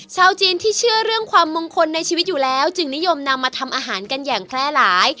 ชาวจีนที่เชื่อเรื่องความมงคลในชีวิตอยู่แล้วจึงนิยมนำมาทำอาหารกันอย่างแพร่หลาย